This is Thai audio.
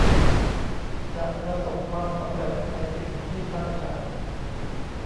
จะประสบความสำเร็จในสิ่งที่ตั้งใจ